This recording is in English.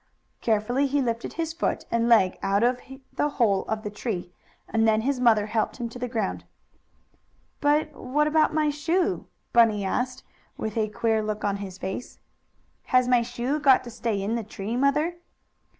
Carefully he lifted his foot and leg out of he hole of the tree, and then his mother helped him to the ground. "But what about my shoe?" Bunny asked, with a queer look on his face. "Has my shoe got to stay in the tree, Mother?"